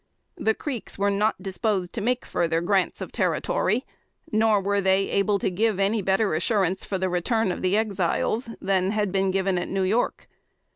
The Creeks were not disposed to make further grants of territory; nor were they able to give any better assurance for the return of the Exiles than had been given at New York.